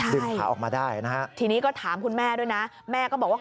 ขาออกมาได้นะฮะทีนี้ก็ถามคุณแม่ด้วยนะแม่ก็บอกว่า